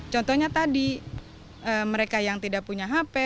contohnya tadi mereka yang tidak punya hp